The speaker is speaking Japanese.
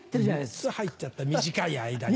３つ入っちゃった短い間に。